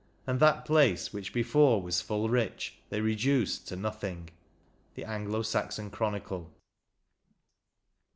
And that place, which before was fall rich, they reduced to nothing." — The Anglo Saxon Chronicle.